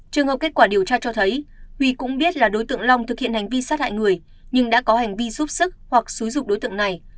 trường hợp kết quả điều tra cho thấy huy cũng biết là đối tượng long thực hiện hành vi sát hại người nhưng đã có hành vi giúp sức hoặc xúi dục đối tượng này